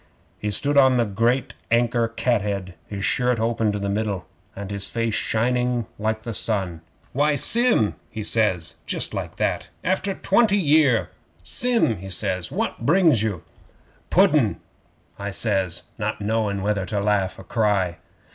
'He stood on the great anchor cathead, his shirt open to the middle, and his face shining like the sun. '"Why, Sim!" he says. Just like that after twenty year! "Sim," he says, "what brings you?" '"Pudden," I says, not knowing whether to laugh or cry.